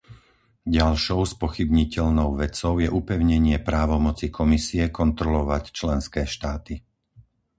Ďalšou spochybniteľnou vecou je upevnenie právomoci Komisie kontrolovať členské štáty.